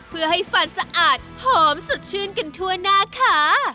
เพื่อให้ฟันสะอาดหอมสดชื่นกันทั่วหน้าค่ะ